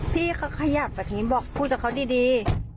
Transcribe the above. พี่เขาขยับแบบนี้บอกพูดกับเขาดี